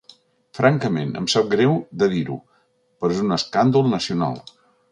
Francament, em sap greu de dir-ho, però és un escàndol nacional.